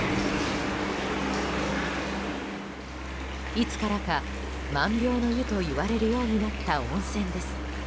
いつからか、万病の湯といわれるようになった温泉です。